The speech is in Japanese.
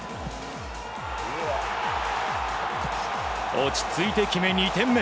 落ち着いて決め、２点目。